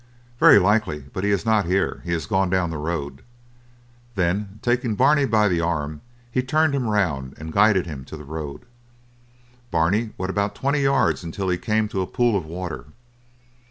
"Very likely, but he is not here, he has gone down the road." Then taking Barney by the arm he turned him round and guided him to the road. Barney went about twenty yards until he came to a pool of water.